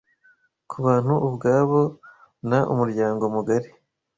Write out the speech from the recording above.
kubantu ubwabo na umuryango mugari